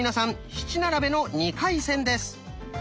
七並べの２回戦です！